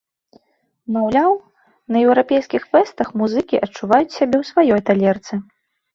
Маўляў, на еўрапейскіх фэстах музыкі адчуваюць сябе ў сваёй талерцы.